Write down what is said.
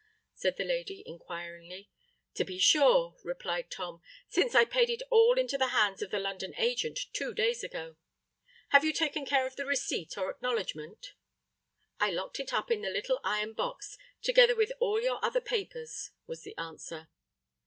said the lady, inquiringly. "To be sure," replied Tom; "since I paid it all into the hands of the London agent two days ago. Have you taken care of the receipt, or acknowledgment?" "I locked it up in the little iron box, together with all your other papers," was the answer.